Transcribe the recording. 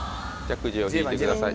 くじを引いてください